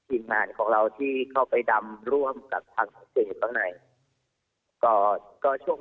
ีงานของเราที่เข้าไปดำร่วมกับภารกิจต้องไหนตอนก็ช่วง